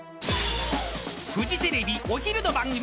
［フジテレビお昼の番組］